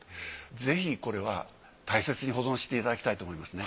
ぜひこれは大切に保存していただきたいと思いますね。